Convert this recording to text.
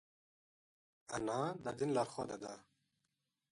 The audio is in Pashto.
انا د دین لارښوده ده